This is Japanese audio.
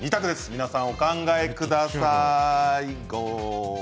皆さんお考えください。